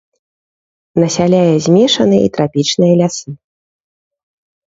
Насяляе змешаныя і трапічныя лясы.